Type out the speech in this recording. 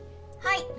はい。